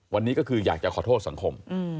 วันนี้ก็คืออยากจะขอโทษสังคม